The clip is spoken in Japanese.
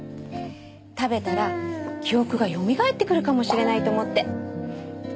食べたら記憶がよみがえってくるかもしれないと思って。